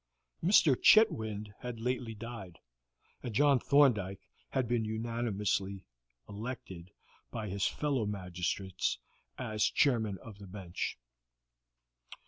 Mr. Chetwynd had lately died, and John Thorndyke had been unanimously elected by his fellow magistrates as chairman of the bench.